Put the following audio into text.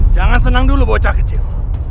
jangan senang dulu bocah kecil